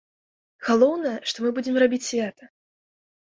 Галоўнае, што мы будзем рабіць свята!